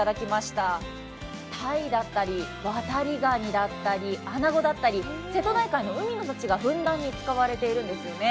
たいだったり、わたりがにだったりかさごだったり瀬戸内海の海の幸がふんだんに使われているんですよね。